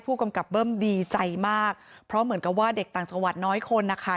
ผู้กำกับเบิ้มดีใจมากเพราะเหมือนกับว่าเด็กต่างจังหวัดน้อยคนนะคะ